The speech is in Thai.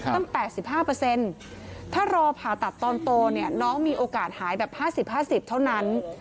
๘๕ถ้ารอผ่าตัดตอนโตเนี่ยน้องมีโอกาสหายแบบ๕๐๕๐เท่านั้น